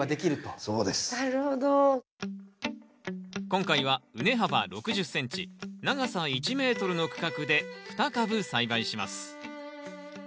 今回は畝幅６０ｃｍ長さ１ｍの区画で２株栽培します。